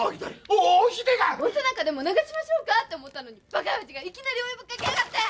お背中でも流しましょうかって思ったのに馬鹿親父がいきなりお湯ぶっかけやがって！